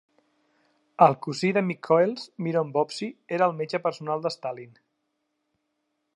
El cosí de Mikhóels, Miron Vovsi, era el metge personal de Stalin.